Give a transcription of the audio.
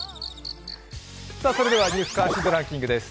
それでは「ニュース関心度ランキング」です。